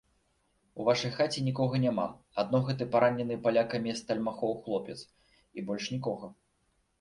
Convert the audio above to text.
У вашай хаце нікога няма, адно гэты паранены палякамі стальмахоў хлопец і больш нікога.